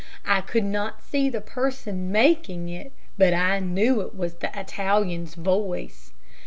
I could not see the person making it, but I knew it was the Italian's voice.